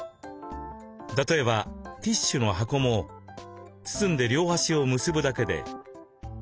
例えばティッシュの箱も包んで両端を結ぶだけで。